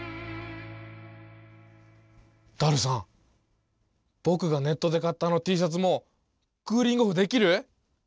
ダルさんぼくがネットで買ったあのＴシャツもクーリングオフできる？